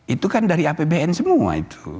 itu kan dari apbn semua itu